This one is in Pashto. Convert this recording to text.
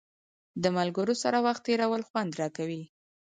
د ملګرو سره وخت تېرول خوند راکوي.